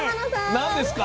何ですか？